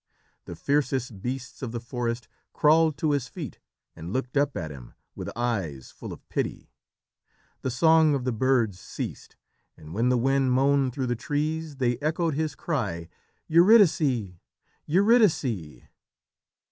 The fiercest beasts of the forest crawled to his feet and looked up at him with eyes full of pity. The song of the birds ceased, and when the wind moaned through the trees they echoed his cry, "Eurydice! Eurydice!"